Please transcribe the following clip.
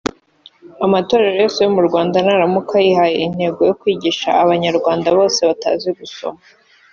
Amatorero yose yo mu Rwanda naramuka yihaye intego yo kwigisha Abanyarwanda bose batazi gusoma